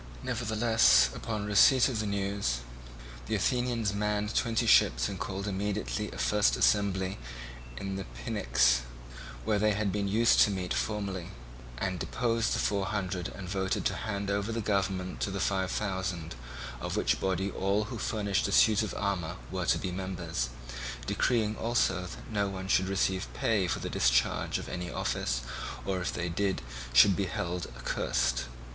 Nevertheless, upon receipt of the news, the Athenians manned twenty ships and called immediately a first assembly in the Pnyx, where they had been used to meet formerly, and deposed the Four Hundred and voted to hand over the government to the Five Thousand, of which body all who furnished a suit of armour were to be members, decreeing also that no one should receive pay for the discharge of any office, or if he did should be held accursed.